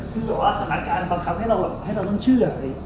คือบอกว่าสถานการณ์ประคับให้เราต้องเชื่อ